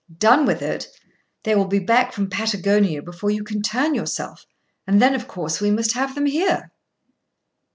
"Done with it! They will be back from Patagonia before you can turn yourself, and then of course we must have them here."